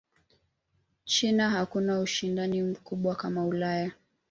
china hakuna ushindani mkubwa kama Ulaya